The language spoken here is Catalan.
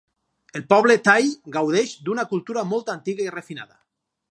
El poble thai gaudeix d'una cultura molt antiga i refinada.